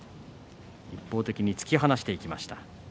一方的に突き放していきました。